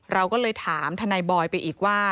เราก็เลยถามทนายบอยไปอีกว่า